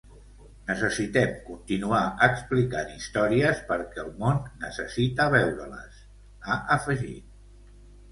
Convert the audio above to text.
Necessitem continuar explicant històries perquè el món necessita veure- les, ha afegit.